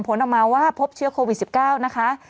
ผลออกมาว่าพบเชื้อโควิด๑๙นะคะ